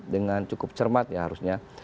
dengan cukup cermat ya harusnya